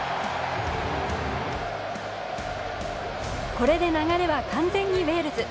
これで流れは完全にウェールズ。